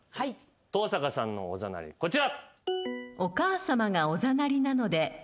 登坂さんの「おざなり」こちら。